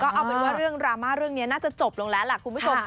เอาเป็นว่าเรื่องดราม่าเรื่องนี้น่าจะจบลงแล้วล่ะคุณผู้ชม